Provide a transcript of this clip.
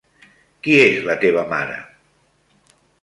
Qui és la teva mare?